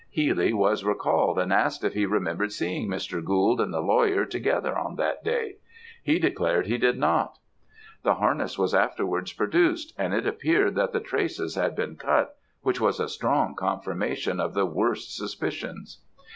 Healy was recalled and asked if he remembered seeing Mr. Gould and the lawyer together on that day. He declared he did not. "The harness was afterwards produced; and it appeared that the traces had been cut, which was a strong confirmation of the worst suspicions.